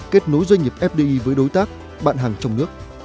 kết nối doanh nghiệp fdi với đối tác bạn hàng trong nước